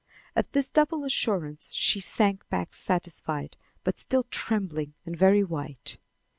At this double assurance, she sank back satisfied, but still trembling and very white.